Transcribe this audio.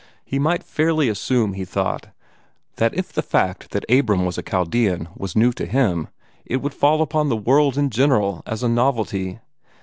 He might fairly assume, he thought, that if the fact that Abram was a Chaldean was new to him, it would fall upon the world in general as a novelty.